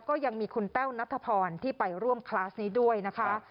ก็ยังมีคุณแต้วนัทพรที่ไปร่วมคลาสนี้ด้วยนะคะ